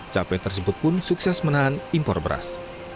capai tersebut pun sukses menahan impor beras